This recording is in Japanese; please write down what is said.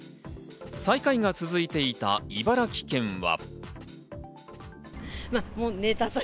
最下位が続いていた茨城県は。